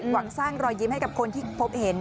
หวังสร้างรอยยิ้มให้กับคนที่พบเห็น